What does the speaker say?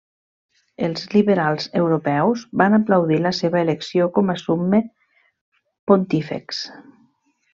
Els liberals europeus van aplaudir la seva elecció com a summe pontífex.